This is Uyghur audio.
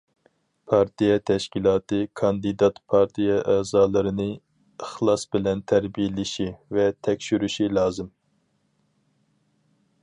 پارتىيە تەشكىلاتى كاندىدات پارتىيە ئەزالىرىنى ئىخلاس بىلەن تەربىيەلىشى ۋە تەكشۈرۈشى لازىم.